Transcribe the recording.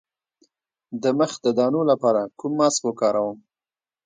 د مخ د دانو لپاره کوم ماسک وکاروم؟